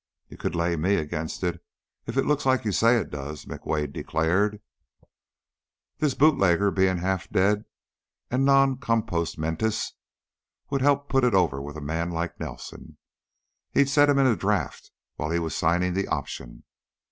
"You could lay me against it if it looks like you say it does," McWade declared. "This bootlegger, being half dead and non compost mentis, would help put it over with a man like Nelson; he'd set him in a draught while he was signing the option.